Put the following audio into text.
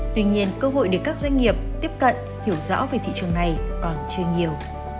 tuy nhiên cơ hội để các doanh nghiệp tiếp cận hiểu rõ về thị trường này còn chưa nhiều